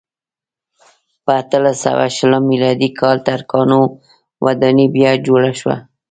په اتلس سوه شلم میلادي کال ترکانو ودانۍ بیا جوړه کړه.